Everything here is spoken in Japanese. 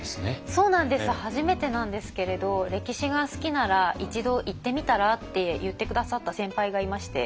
そうなんです初めてなんですけれど「歴史が好きなら一度行ってみたら？」って言って下さった先輩がいまして。